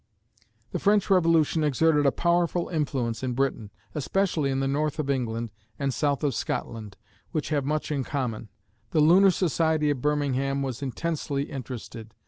The French Revolution exerted a powerful influence in Britain, especially in the north of England and south of Scotland, which have much in common. The Lunar Society of Birmingham was intensely interested.